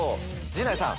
陣内さん